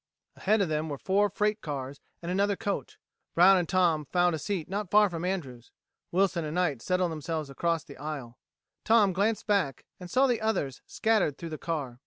Ahead of them were four freight cars and another coach. Brown and Tom found a seat not far from Andrews; Wilson and Knight settled themselves across the aisle. Tom glanced back and saw the others scattered through the car.